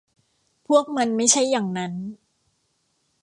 พวกมันไม่ใช่อย่างนั้น